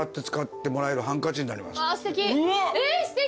すてき。